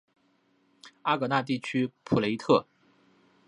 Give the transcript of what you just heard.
阿戈讷地区普雷特。